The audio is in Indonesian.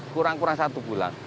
kurang kurang satu bulan